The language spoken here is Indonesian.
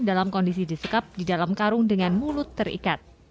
dalam kondisi disekap di dalam karung dengan mulut terikat